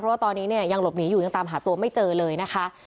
เพราะว่าตอนนี้เนี่ยยังหลบหนีอยู่ยังตามหาตัวไม่เจอเลยนะคะ